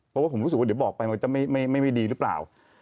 เพราะว่าผมรู้สึกว่าเดี๋ยวบอกไปมันจะไม่ดีหรือเปล่า